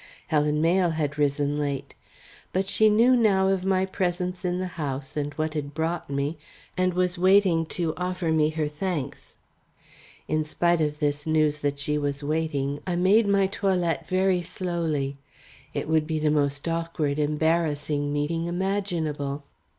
Helen Mayle had risen late. But she knew now of my presence in the house and what had brought me, and was waiting to offer me her thanks. In spite of this news that she was waiting, I made my toilette very slowly. It would be the most awkward, embarrassing meeting imaginable.